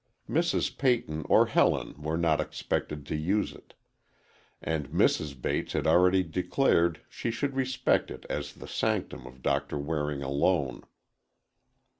Mrs. Peyton or Helen were not expected to use it, and Mrs. Bates had already declared she should respect it as the sanctum of Doctor Waring alone.